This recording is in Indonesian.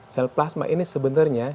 sel plasma ini sebenarnya